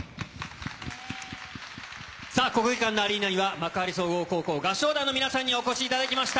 国技館のアリーナには幕張総合高校合唱団の皆さんにお越しいただきました。